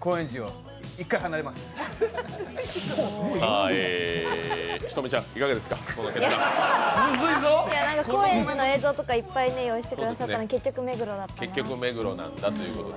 高円寺の映像とか、いっぱい用意してくださったのに、結局目黒だったので。